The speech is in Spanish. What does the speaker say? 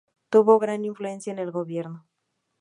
Tuvo gran influencia en el gobierno.